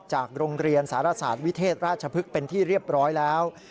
จากโรงเรียนสารศาสตร์วิเทศราชพฤกษ์เป็นที่เรียบร้อยแล้ว